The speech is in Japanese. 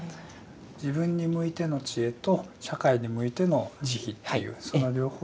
自分に向いての智慧と社会に向いての慈悲というその両方で。